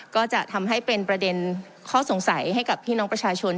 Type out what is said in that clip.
ก็จะทำให้เป็นประเด็นข้อสงสัยให้กับพี่น้องประชาชน